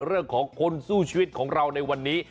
เรื่องของคนสู้ชีวิตของเราในวันนี้